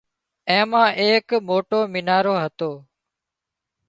اين مان ايڪ موٽو مينارو هتو